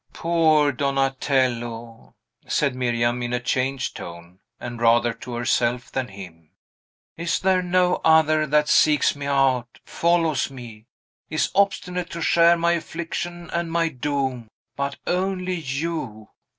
"Poor Donatello!" said Miriam in a changed tone, and rather to herself than him. "Is there no other that seeks me out, follows me, is obstinate to share my affliction and my doom, but only you!